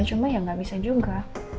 cuma ya nggak bisa juga